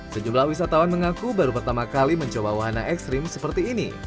sejumlah wisatawan mengaku baru pertama kali mencoba wahana ekstrim seperti ini